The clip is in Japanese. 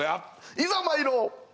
いざ参ろう！